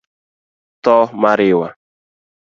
Tho mariwa;